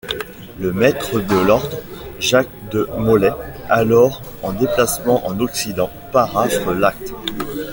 Le maître de l'ordre, Jacques de Molay alors en déplacement en Occident, paraphe l'acte.